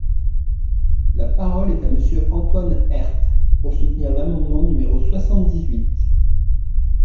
La parole est à Monsieur Antoine Herth, pour soutenir l’amendement numéro soixante-dix-huit.